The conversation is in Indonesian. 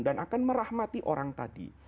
dan akan merahmati orang tadi